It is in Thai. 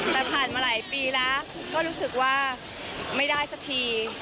แต่ผ่านมาหลายปีแล้วก็รู้สึกว่าไม่ได้สักที